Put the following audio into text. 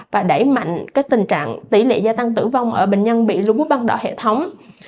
và đẩy mạnh tình trạng tỷ lệ gia tăng tử vong ở bệnh nhân bị lưu bút đọc đỏ hệ thống